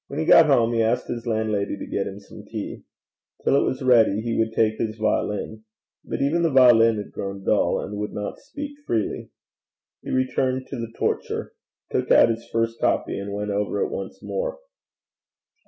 When he got home, he asked his landlady to get him some tea. Till it was ready he would take his violin. But even the violin had grown dull, and would not speak freely. He returned to the torture took out his first copy, and went over it once more.